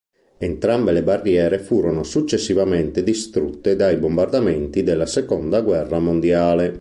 Entrambe le barriere furono successivamente distrutte dai bombardamenti della Seconda guerra mondiale.